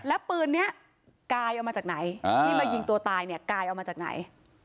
แล้วปืนนี้ลายกายเอามาจากไหน